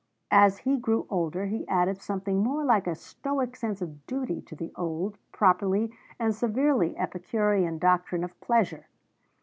As he grew older he added something more like a Stoic sense of 'duty' to the old, properly and severely Epicurean doctrine of 'pleasure.'